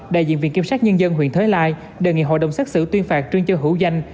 đại diện viện kiểm sát nhân dân huyện thới lai đề nghị hội đồng xét xử tuyên phạt trương châu hữu danh